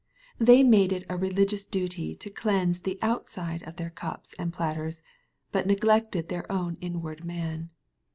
They made it a religious duty to cleanse the "outride" of their cups and platters, but neglected their o wn inw ard man.